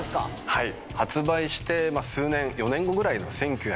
はい。